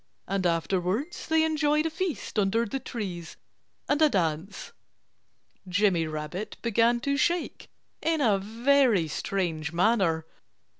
And afterwards they enjoyed a feast under the trees and a dance." Jimmy Rabbit began to shake in a very strange manner.